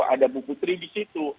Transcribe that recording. ada bu putri di situ